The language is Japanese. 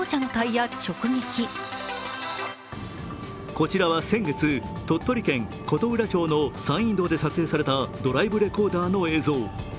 こちらは、先月、鳥取県琴浦町の山陰道で撮影されたドライブレコーダーの映像。